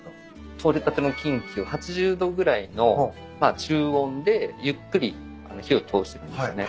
取れたてキンキを８０℃ぐらいの中温でゆっくり火を通してくんですね。